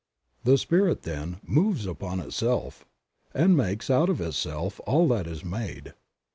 The Spirit, then, moves 2 Creative Mind. > upon Itself, and makes out of Itself all that is made.